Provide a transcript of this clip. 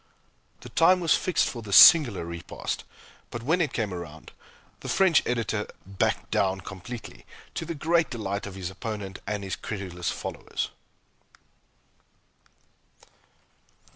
The time was fixed for this singular repast, but when it came round, the French Editor "backed down" completely, to the great delight of his opponent and his credulous followers.